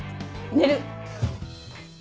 寝る。